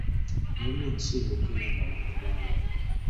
Gavumenti si ye yokka eyamba abantu baayo.